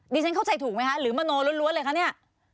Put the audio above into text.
ฉันเข้าใจถูกไหมคะหรือมโนลล้วนเลยคะเนี่ย